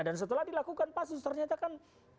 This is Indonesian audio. dan setelah dilakukan pasus ternyata kan